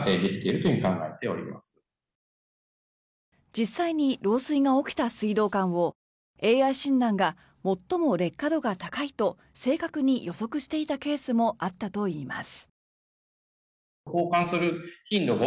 実際に漏水が起きた水道管をＡＩ診断が最も劣化度が高いと正確に予測していたケースもあったといいます。